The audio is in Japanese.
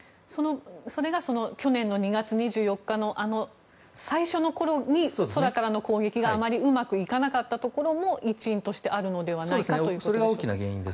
それが去年２月２４日のあの最初のころに空からの攻撃があまりうまくいかなかったところも一因としてあるのではないかという。